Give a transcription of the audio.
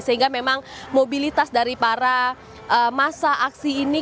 sehingga memang mobilitas dari para masa aksi ini